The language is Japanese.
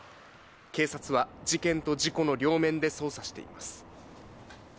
警察は、事件と事故の両面で捜査しています。